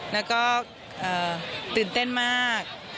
แล้วก็ตื่นเต้นมาก